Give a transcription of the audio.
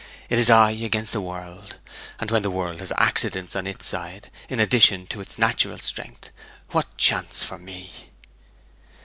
It is I against the world; and when the world has accidents on its side in addition to its natural strength, what chance for me!'